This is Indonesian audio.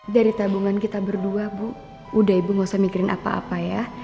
dari tabungan kita berdua bu udah ibu gak usah mikirin apa apa ya